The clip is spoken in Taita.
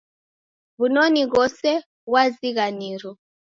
W'unoni ghose ghwazighaniro.